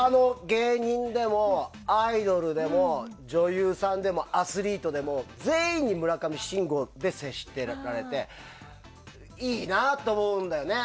芸人でもアイドルでも女優さんでもアスリートでも全員に村上信五で接してていいなと思うんだよね。